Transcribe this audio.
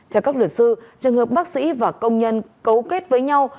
theo các luật sư trường hợp bác sĩ và công nhân cấu kết với nhau